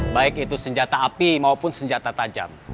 baik itu senjata api maupun senjata tajam